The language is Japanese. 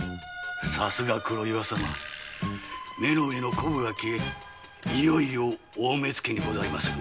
さすが黒岩様目の上のコブが消えいよいよ大目付でございますな。